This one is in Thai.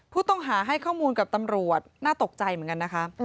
ผู้ต้องหาให้ข้อมูลกับตำรวจน่าตกใจเหมือนกันนะคะ